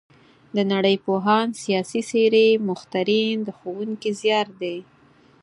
د نړۍ پوهان، سیاسي څېرې، مخترعین د ښوونکي زیار دی.